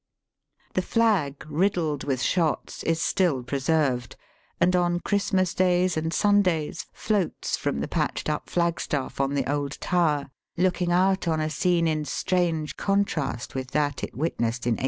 The flag, riddled with shots, is stiU pre served, and on Christmas days and Sundays floats from the patched up flagstaff on the old tower, looking out on a scene in strange contrast with that it witnessed in 1867.